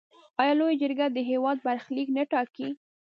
آیا لویه جرګه د هیواد برخلیک نه ټاکي؟